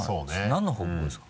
何の報告ですか？